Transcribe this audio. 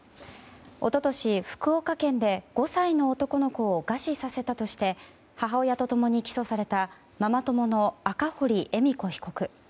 一昨年、福岡県で５歳の男の子を餓死させたとして母親と共に起訴されたママ友の赤堀恵美子被告。